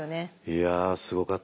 いやすごかった！